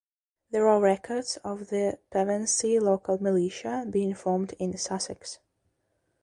There are records of the Pevensey Local Militia being formed in Sussex.